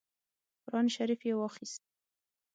قران شریف یې واخیست.